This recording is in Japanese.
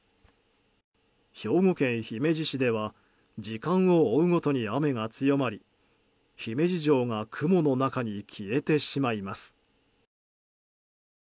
兵庫県姫路市では時間を追うごとに雨が強まり姫路城が雲の中に消えてしまいます。